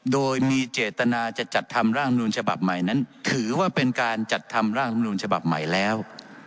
โดยมีเจตนาจะจัดทำร่างนูลฉบับใหม่นั้นถือว่าเป็นการจัดทำร่างลำนูญฉบับใหม่แล้ว